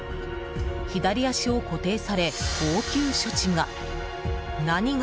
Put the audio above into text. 左足を固定され、応急処置が。